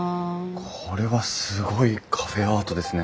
これはすごいカフェアートですね。